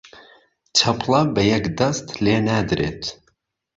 چەپڵە بە یەک دەست لێ نادرێت